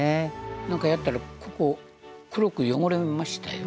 なんかやったらここ黒く汚れましたよ。